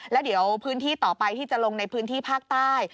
แล้วเดี๋ยวพื้นที่ต่อไปที่จะลงในพื้นที่ภาคใต้